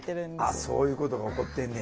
あっそういうことが起こってんねや。